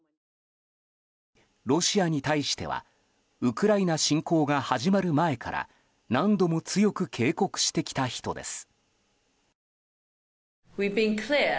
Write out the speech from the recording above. ロシアに対してはウクライナ侵攻が始まる前から何度も強く警告してきた人です。